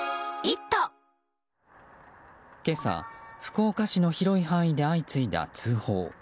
今朝、福岡市の広い範囲で相次いだ通報。